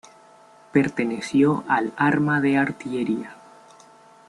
Perteneció al arma de artillería.